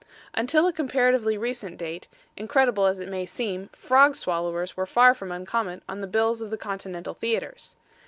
Until a comparatively recent date, incredible as it may seem, frog swallowers were far from uncommon on the bills of the Continental theaters.